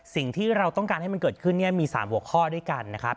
สิ่งที่เราต้องการให้มันเกิดขึ้นเนี่ยมี๓หัวข้อด้วยกันนะครับ